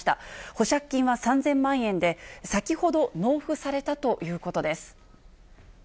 保釈金は３０００万円で、先ほど納付されたということです。